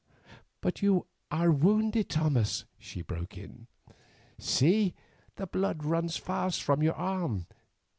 "But you are wounded, Thomas," she broke in; "see, the blood runs fast from your arm.